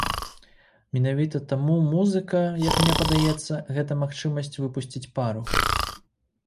Менавіта таму музыка, як мне падаецца, гэта магчымасць выпусціць пару.